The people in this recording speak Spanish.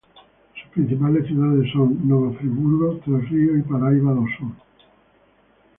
Sus principales ciudades son Nova Friburgo, Três Rios y Paraíba do Sul.